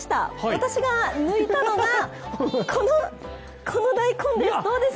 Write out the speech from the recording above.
私が抜いたのが、この大根です。